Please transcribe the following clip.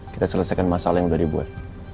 kita selesaikan masalah yang sudah dibuat